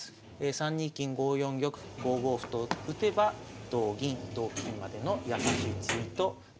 ３二金５四玉５五歩と打てば同銀同金までの易しい詰みとなるわけですね。